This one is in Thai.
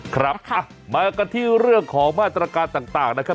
ครับมากันที่เรื่องของมาตรการต่างนะครับ